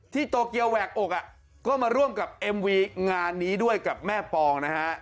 โตเกียวแหวกอกก็มาร่วมกับเอ็มวีงานนี้ด้วยกับแม่ปองนะฮะ